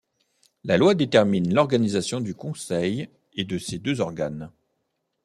La loi détermine l'organisation du conseil et de ces deux organes.